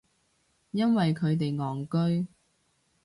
因為佢哋戇居